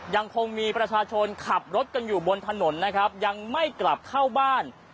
ยังคงมีประชาชนขับรถกันอยู่บนถนนนะครับยังไม่กลับเข้าบ้าน